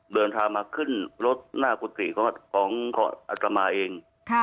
เดินทางมาขึ้นรถหน้ากุฏิของอัตมาเอง